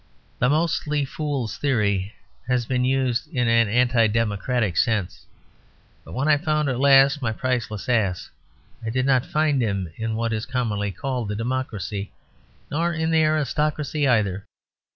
The "mostly fools" theory has been used in an anti democratic sense; but when I found at last my priceless ass, I did not find him in what is commonly called the democracy; nor in the aristocracy either.